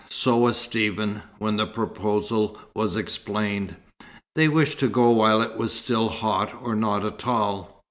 So was Stephen, when the proposal was explained. They wished to go while it was still hot, or not at all.